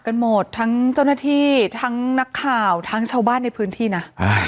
กันหมดทั้งเจ้าหน้าที่ทั้งนักข่าวทั้งชาวบ้านในพื้นที่นะ